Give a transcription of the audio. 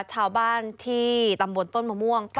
ชาวบ้านที่ตำบลต้นมะม่วง